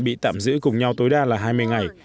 bị tạm giữ cùng nhau tối đa là hai mươi ngày